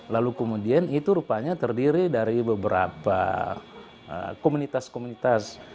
lalu kemudian itu rupanya terdiri dari beberapa komunitas komunitas